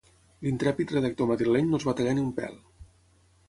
L'intrèpid redactor madrileny no es va tallar ni un pèl.